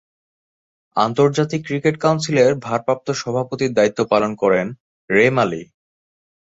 আন্তর্জাতিক ক্রিকেট কাউন্সিলের ভারপ্রাপ্ত সভাপতির দায়িত্ব পালন করেন রে মালি।